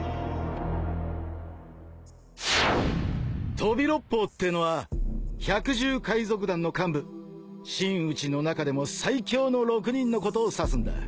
［飛び六胞ってのは百獣海賊団の幹部真打ちの中でも最強の６人のことを指すんだ］